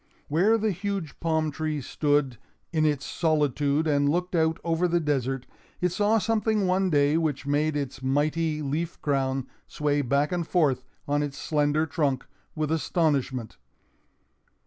Where the huge palm tree stood in its solitude and looked out over the desert, it saw something one day which made its mighty leaf crown sway back and forth on its slender trunk with astonishment.